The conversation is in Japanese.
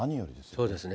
そうですね。